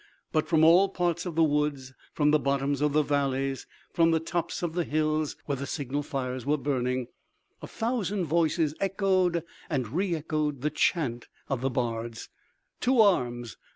But from all parts of the woods, from the bottoms of the valleys, from the tops of the hills where the signal fires were burning, a thousand voices echoed and re echoed the chant of the bards: "To arms!